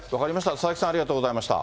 佐々木さん、ありがとうございました。